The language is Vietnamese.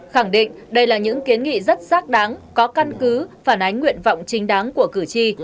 khẳng định đây là những kiến nghị rất xác đáng có căn cứ phản ánh nguyện vọng chính đáng của cử tri